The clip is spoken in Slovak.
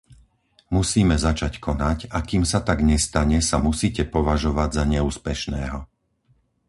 Musíme začať konať, a kým sa tak nestane, sa musíte považovať za neúspešného.